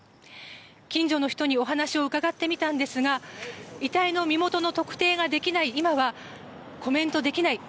近所の人にお話を伺ってみたんですが遺体の身元の特定ができない今はコメントできない